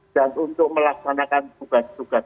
dan untuk melaksanakan tugas tugas